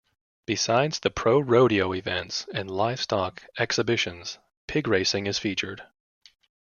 Besides the pro rodeo events and livestock exhibitions, pig racing is featured.